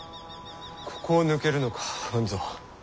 ここを抜けるのか半蔵。